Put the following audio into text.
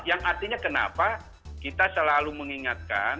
yang artinya kenapa kita selalu mengingatkan